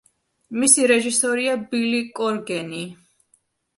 მისი რეჟისორია ბილი კორგენი.